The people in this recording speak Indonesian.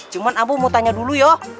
cuman abu mau tanya dulu yoh